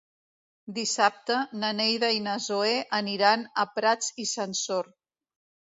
Dissabte na Neida i na Zoè aniran a Prats i Sansor.